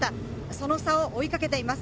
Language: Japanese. その差を追いかけています。